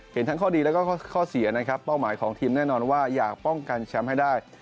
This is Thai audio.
เห็นทั้งข้อดีแล้วก็ข้อเสียนะครับเป้าหมายของทีมแน่นอนว่าอยากป้องกันแชมป์ให้ได้